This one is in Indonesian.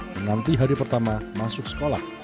menanti hari pertama masuk sekolah